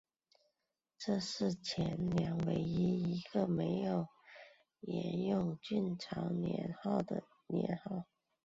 这是前凉唯一一个没有袭用晋朝年号的年号。